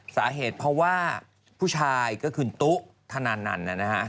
สาเหตุเพราะว่าผู้ชายก็คือตุ๊กธนาณาณนะ